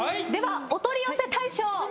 ではお取り寄せ大賞。